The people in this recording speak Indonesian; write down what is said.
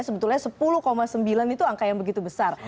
sebetulnya sepuluh sembilan itu angka yang begitu besar